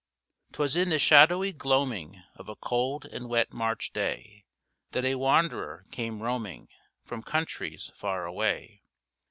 'Twas in the shadowy gloaming Of a cold and wet March day, That a wanderer came roaming From countries far away.